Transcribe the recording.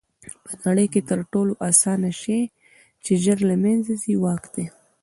په نړۍ کښي تر ټولو آسانه شى چي ژر له منځه ځي؛ واک دئ.